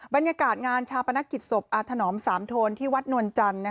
บรรยากาศงานชาปนกิจศพอาถนอมสามโทนที่วัดนวลจันทร์